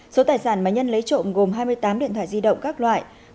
số tài sản mà nhân lấy trộm gồm hai mươi tám điện thoại di động các loại